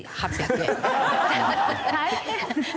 大変。